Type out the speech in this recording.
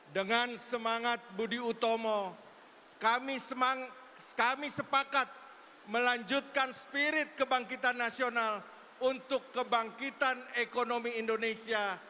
dengan semangat budi utomo kami sepakat melanjutkan spirit kebangkitan nasional untuk kebangkitan ekonomi indonesia